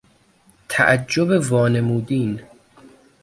تعجب وانمودین